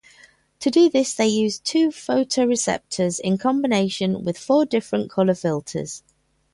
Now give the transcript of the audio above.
To do this they use two photoreceptors in combination with four different colour filters.